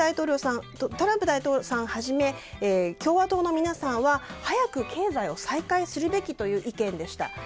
トランプさんをはじめ共和党の皆さんは早く経済を再開するべきという意見でした。